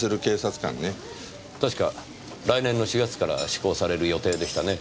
確か来年の４月から施行される予定でしたね。